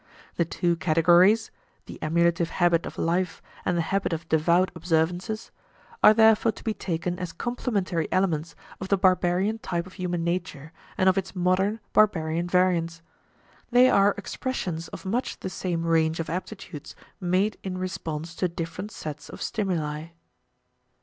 The two categories the emulative habit of life and the habit of devout observances are therefore to be taken as complementary elements of the barbarian type of human nature and of its modern barbarian variants. They are expressions of much the same range of aptitudes, made in response to different sets of stimuli.